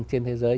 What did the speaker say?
trên thế giới